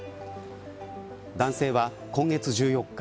男性は今月１４日